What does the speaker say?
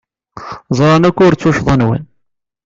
Ẓran akk ur d tuccḍa-nwen.